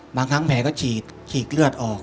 บางครั้งแผลก็ฉีกเลือดออก